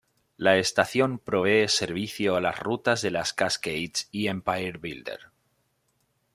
La estación provee servicio a las rutas de las "Cascades" y "Empire Builder".